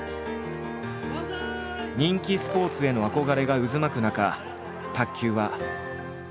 人気スポーツへの憧れが渦巻く中卓球は。